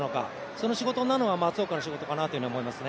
その仕事なのは、松岡の仕事になるのかなと思います。